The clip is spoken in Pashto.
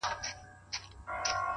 هره پوښتنه د پوهېدو نوی پړاو دی’